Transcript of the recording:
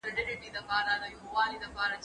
هغه وويل چي مڼې صحي دي